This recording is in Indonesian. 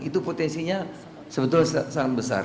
itu potensinya sebetulnya sangat besar